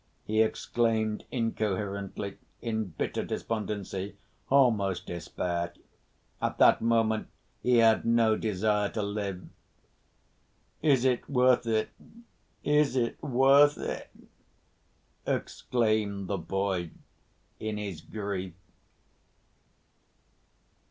he exclaimed incoherently, in bitter despondency, almost despair. At that moment he had no desire to live. "Is it worth it? Is it worth it?" exclaimed the boy in his grief.